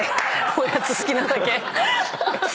おやつ好きなだけ。